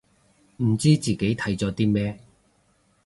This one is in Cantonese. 唔知自己睇咗啲咩